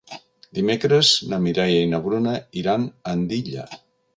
Dimecres na Mireia i na Bruna iran a Andilla.